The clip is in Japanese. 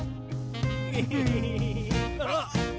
あっ！